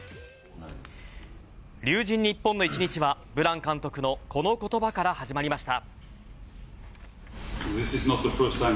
龍神ＮＩＰＰＯＮの一日はブラン監督のこの言葉から始まりました。